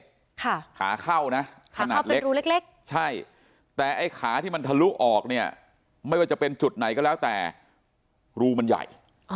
ค่ะขาเข้านะขนาดเล็กรูเล็กเล็กใช่แต่ไอ้ขาที่มันทะลุออกเนี่ยไม่ว่าจะเป็นจุดไหนก็แล้วแต่รูมันใหญ่